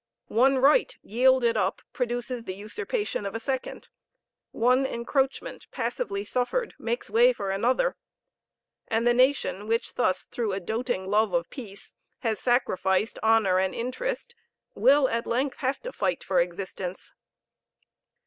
One right yielded up produces the usurpation of a second; one encroachment passively suffered makes way for another; and the nation which thus, through a doting love of peace, has sacrificed honor and interest, will at length have to fight for existence.